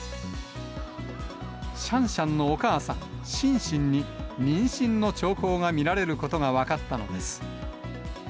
シャンシャンのお母さん、シンシンに妊娠の兆候が見られることが分かったのです。